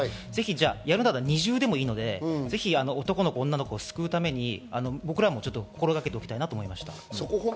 やるなら二重でもいいので、ぜひ男の子、女の子を救うために僕らも心がけておきたいなと思いました。